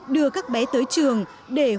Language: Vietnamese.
đưa các bé tới trường để huấn luyện